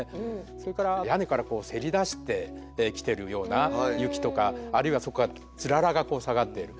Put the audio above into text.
それから屋根からせり出してきてるような雪とかあるいはそこからつららが下がっている。